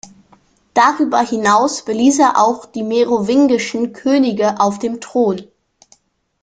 Darüber hinaus beließ er auch die merowingischen Könige auf dem Thron.